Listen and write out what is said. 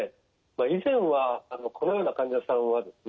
以前はこのような患者さんはですね